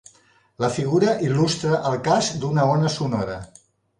La figura il·lustra el cas d'una ona sonora.